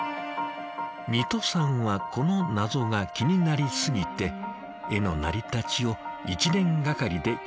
三戸さんはこのナゾが気になりすぎて絵の成り立ちを１年がかりで研究したんです。